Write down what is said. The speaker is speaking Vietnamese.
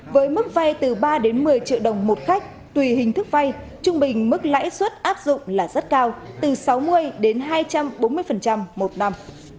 với mức vay từ ba đến một mươi triệu đồng một khách tùy hình thức vay trung bình mức lãi suất áp dụng là rất cao từ sáu mươi đến hai trăm bốn mươi một năm